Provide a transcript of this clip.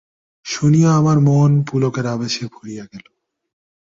শুনিয়া আমার মন পুলকের আবেশে ভরিয়া গেল।